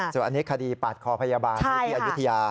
ส่วนอันนี้คดีปาดคอพยาบาลที่อายุทยา